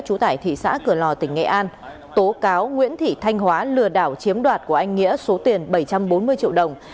trú tại thị xã cửa lò tỉnh nghệ an tố cáo nguyễn thị thanh hóa lừa đảo chiếm đoạt của anh nghĩa số tiền bảy trăm bốn mươi triệu đồng